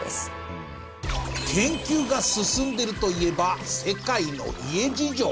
研究が進んでるといえば世界の家事情。